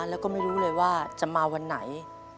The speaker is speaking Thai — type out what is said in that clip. แล้วก็ไม่รู้เลยว่าจะมาวันไหน